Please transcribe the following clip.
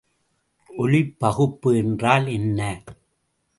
ஒலிப்பகுப்பு என்றால் என்ன?